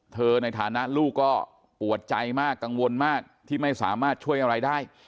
ในฐานะลูกก็ปวดใจมากกังวลมากที่ไม่สามารถช่วยอะไรได้